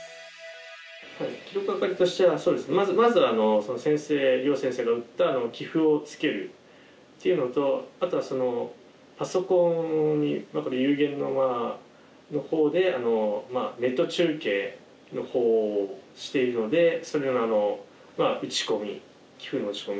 記録係としてはまずは両先生が打った棋譜をつけるっていうのとあとはパソコンに幽玄の間のほうでネット中継のほうをしているのでそれの打ち込み棋譜の打ち込み。